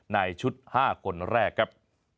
ในชุด๕คนแรกครับ